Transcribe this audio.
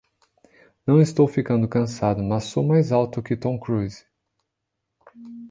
Não estou ficando cansado, mas sou mais alto que Tom Cruise!